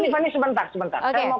tiffany sebentar sebentar saya mau